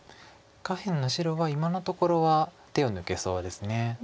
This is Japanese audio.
下辺の白は今のところは手を抜けそうです。